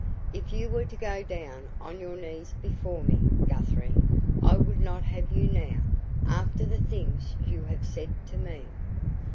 "If you were to go down on your knees before me, Guthrie, I would not have you now, after the things you have said to me."